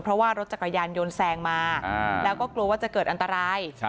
เพราะว่ารถจักรยานยนต์แซงมาแล้วก็กลัวว่าจะเกิดอันตราย